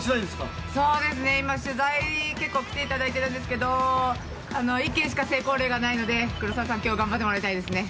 今、取材に結構来ていただいているんですけど、１件しか成功例がないので黒澤さん、今日頑張ってもらいたいですね。